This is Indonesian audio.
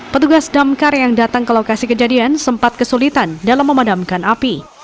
petugas damkar yang datang ke lokasi kejadian sempat kesulitan dalam memadamkan api